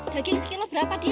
daging sekilas berapa din